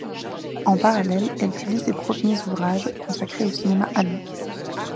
En parallèle, elle publie ses premiers ouvrages consacrés au cinéma allemand.